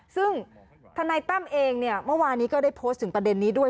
ซึ่งทนายตั้มเองเนี่ยเมื่อวานี้ก็ได้โพสต์ถึงประเด็นนี้ด้วย